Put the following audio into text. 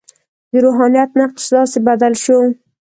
د روحانیت نقش داسې بدل شو.